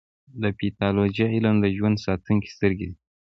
د پیتالوژي علم د ژوند ساتونکې سترګې دي.